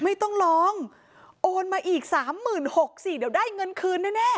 ไม่ต้องร้องโอนมาอีก๓๖๐๐สิเดี๋ยวได้เงินคืนแน่